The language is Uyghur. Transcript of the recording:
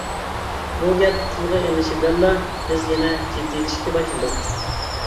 بۇ گەپ تىلغا ئېلىنىشى بىلەنلا بىز يەنە جىددىيلىشىشكە باشلىدۇق.